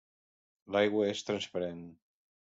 L'aigua és transparent.